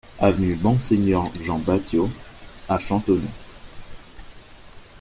Avenue Monseigneur Jean Batiot à Chantonnay